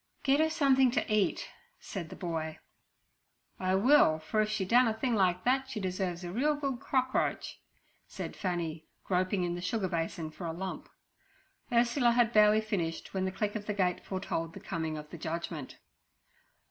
'Get her something to eat' said the boy. 'I will, for if she done a thing like that she deserves a real good crockroach' said Fanny, groping in the sugar basin for a lump. Ursula had barely finished when the click of the gate foretold the coming of the judgment.